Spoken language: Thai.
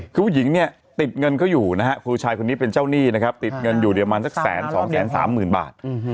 คือผู้หญิงเนี่ยติดเงินเขาอยู่นะครับผู้ชายคนนี้เป็นเจ้าหนี้นะครับติดเงินอยู่เรียกประมาณสักแสนสองแสนสามหมื่นบาท